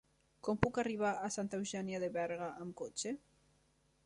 Com puc arribar a Santa Eugènia de Berga amb cotxe?